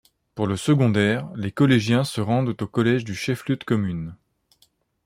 Pour le secondaire, les collégiens se rendent au collège du chef-lieu de commune.